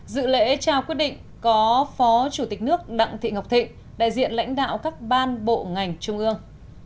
dự lễ trao quyết định có phó chủ tịch nước đặng thị ngọc thịnh đại diện lãnh đạo các ban bộ ngành trung ương